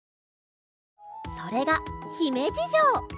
それがひめじじょう！